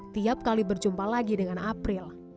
tiap kali berjumpa lagi dengan april